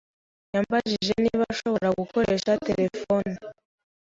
Yambajije niba ashobora gukoresha terefone.